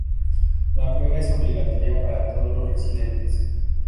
La prueba es obligatoria para todos los residentes.